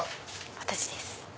私です。